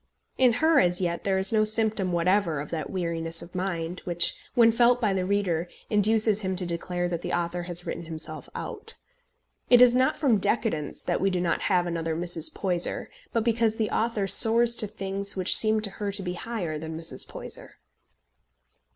In her, as yet, there is no symptom whatever of that weariness of mind which, when felt by the reader, induces him to declare that the author has written himself out. It is not from decadence that we do not have another Mrs. Poyser, but because the author soars to things which seem to her to be higher than Mrs. Poyser.